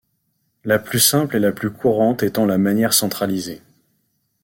La plus simple et la plus courante étant la manière centralisée.